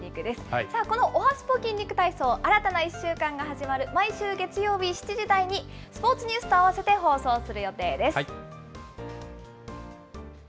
このおはスポ筋肉体操、新たな１週間が始まる毎週月曜日７時台に、スポーツニュースと合わせて放送する予定です。